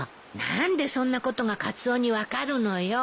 何でそんなことがカツオに分かるのよ。